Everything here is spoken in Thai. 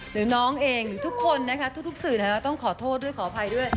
หรือน้องเองหรือทุกคนนะคะทุกสื่อต้องขอโทษด้วยขออภัยด้วย